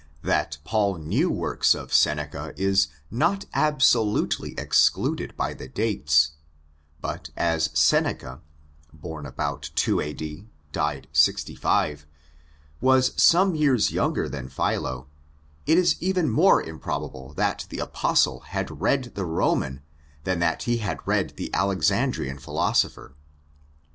That Paul knew works of Seneca is not absolutely excluded by the dates; but as Seneca (born about 2, died 65) was some years younger than Philo, it is even more improbable that the Apostle had read the Roman than that he had read the Alexandrian philosopher.